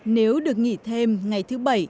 nếu được nghỉ thêm ngày thứ bảy